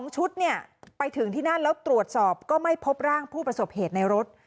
ชุดเนี่ยไปถึงที่นั่นแล้วตรวจสอบก็ไม่พบร่างผู้ประสบเหตุในรถ